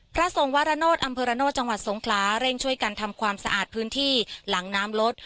พระทรงวารโนธอำเภอระโนธจังหวัดสงคลาเร่งช่วยกันทำความสะอาดพื้นที่หลังน้ำลด